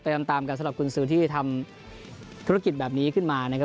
ตามตามกันสำหรับกุญสือที่ทำธุรกิจแบบนี้ขึ้นมานะครับ